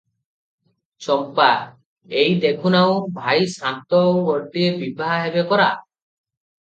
ଚମ୍ପା - ଏଇ ଦେଖୁନାହୁଁ, ଭାଇ ସାନ୍ତ ଆଉ ଗୋଟିଏ ବିଭା ହେବେ ପରା!